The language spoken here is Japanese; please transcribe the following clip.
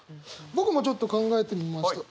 僕もちょっと考えてみました。